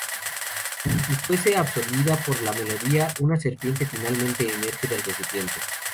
Como si fuese absorbida por la melodía, una serpiente finalmente emerge del recipiente.